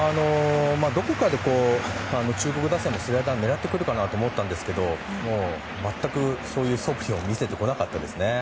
どこかで中国打線もスライダーを狙ってくると思いましたが全くそういうそぶりを見せてこなかったですね。